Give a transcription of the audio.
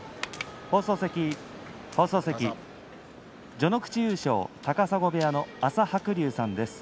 序ノ口優勝高砂部屋の朝白龍さんです。